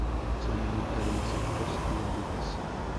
Se alimenta de insectos y orugas.